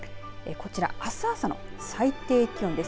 こちら、あす朝の最低気温です。